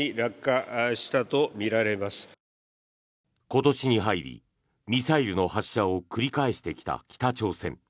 今年に入り、ミサイルの発射を繰り返してきた北朝鮮。